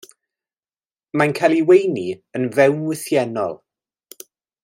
Mae'n cael ei weini yn fewnwythiennol.